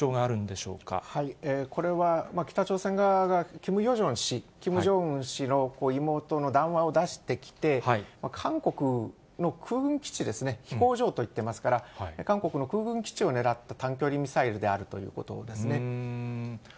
これは北朝鮮側が、キム・ヨジョン氏、キム・ジョンウン氏の妹の談話を出してきて、韓国の空軍基地ですね、飛行場といっていますから、韓国の空軍基地を狙った短距離ミサイルであるということですね。